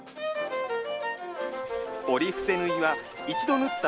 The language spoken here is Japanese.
折り伏せ縫いは一度縫った